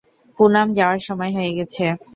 পুনাম, যাওয়ার সময় হয়ে গেছে।